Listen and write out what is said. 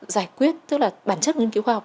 giải quyết tức là bản chất nghiên cứu khoa học